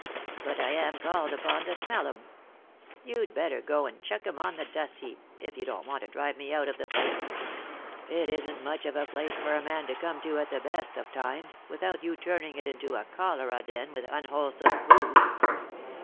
" But I am called upon to smell 'em. You'd better go and chuck 'em on the dustheap, if you don't want to drive me out of the place. It isn't much of a place for a man to come to at the best of times, without your turning it into a cholera den with unwholesome food."